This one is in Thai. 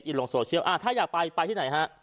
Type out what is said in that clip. เช็คอินลงโซเชียลถ้าอยากไปไปที่ไหน